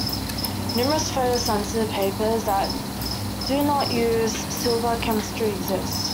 Numerous photo sensitive papers that do not use silver chemistry exist.